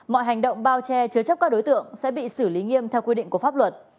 mọi hành động bao che chứa chấp các đối tượng sẽ bị xử lý nghiêm theo quy định của pháp luật